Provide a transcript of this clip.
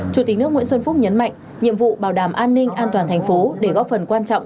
chủ tịch nước nguyễn xuân phúc nhấn mạnh nhiệm vụ bảo đảm an ninh an toàn thành phố để góp phần quan trọng